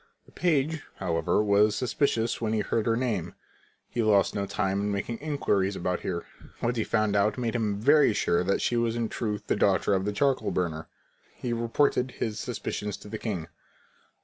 The page, however, was suspicious when he heard her name. He lost no time in making inquiries about her. What he found out made him very sure that she was in truth the daughter of the charcoal burner. He reported his suspicions to the king.